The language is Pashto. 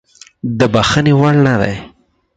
د بخښنې وړ نه دی.